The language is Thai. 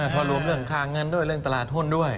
ถ้ารวมเรื่องค่าเงินด้วยเรื่องตลาดหุ้นด้วย